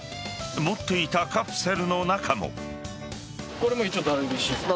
持っていたカプセルの中も。